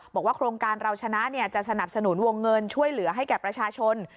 บอกว่าโครงการเราชนะจะสนับสนุนวงเงินช่วยเหลือให้แก่ประชาชน